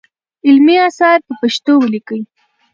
علمي اثار په پښتو ولیکئ.